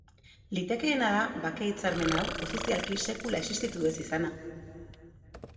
Litekeena da bake hitzarmen hau, ofizialki sekula existitu ez izana.